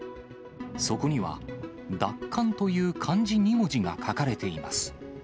そこには、奪還という漢字２文字が書かれています。